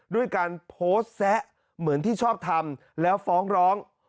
ด้วยการโพสต์แซะเหมือนที่ชอบทำแล้วฟ้องร้อง